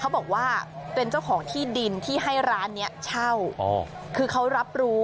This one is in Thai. เขาบอกว่าเป็นเจ้าของที่ดินที่ให้ร้านเนี่ยเช่า